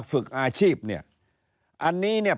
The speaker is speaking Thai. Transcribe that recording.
ฝึกอาชีพเนี่ย